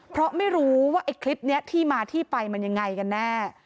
เพราะไม่รู้ว่าไอ้คลิปนี้ที่มาที่ไปมันยังไงกันแน่